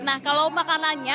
nah kalau makanannya